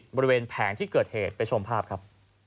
ในบริเวณแผงที่เกิดเหตุไปชมภาพครับ